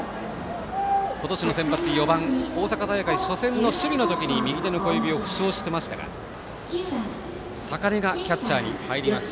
今年のセンバツ、４番大阪大会守備のときに右手の小指を負傷していましたが坂根がキャッチャーに入ります。